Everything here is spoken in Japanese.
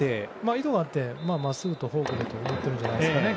意図があってまっすぐとフォークだと思っているんじゃないですかね